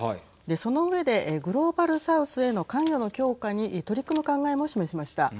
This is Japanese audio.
その上でグローバル・サウスへの関与の強化に取り組む考えも示しました。